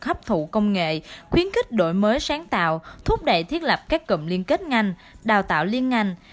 hấp thụ công nghệ khuyến kích đổi mới sáng tạo thúc đẩy thiết lập các cụm liên kết ngành đào tạo liên ngành